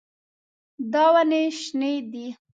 دا ونې شنې دي.